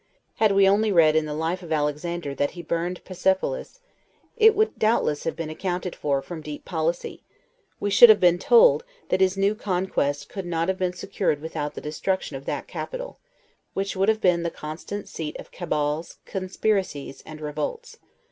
Had we only read in the "Life of Alexander," that he burned Persepolis, it would doubtless have been accounted for from deep policy: we should have been told, that his new conquest could not have been secured without the destruction of that capital, which would have been the constant seat of cabals, conspiracies, and revolts.